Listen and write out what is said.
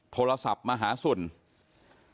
โทรศัพท์มาหาสุน